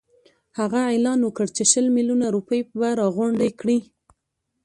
هغه اعلان وکړ چې شل میلیونه روپۍ به راغونډي کړي.